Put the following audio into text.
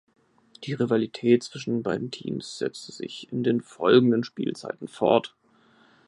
Die Rivalität zwischen den beiden Teams setzte sich in den folgenden Spielzeiten fort.